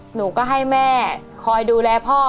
หนูก็ให้แม่คอยดูแลพ่อ